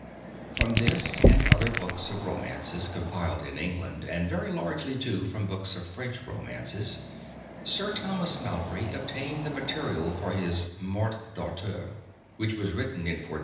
From this and other books of romances compiled in England, and very largely, too, from books of French romances, Sir Thomas Malory obtained the material for his "Morte d'Arthur," which was written in 1470.